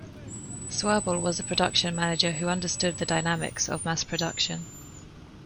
Swirbul was the production manager, who understood the dynamics of mass production.